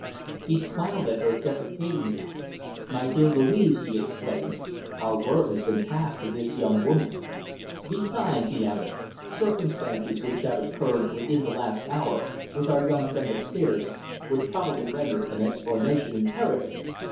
He smiled at her deprecatingly. "My dear Louise!" he exclaimed, "our word has been passed to this young woman. Besides," he added, "circumstances which have occurred within the last hour with our young friend upstairs would probably render an explanation imperative!